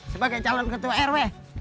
sebagai calon ketua rw